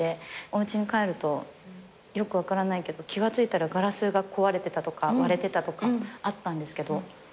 おうちに帰るとよく分からないけど気が付いたらガラスが壊れてたとか割れてたとかあったんですけど。